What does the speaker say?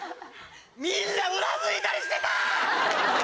みんなうなずいたりしてたー！